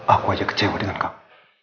aku aja kecewa dengan kamu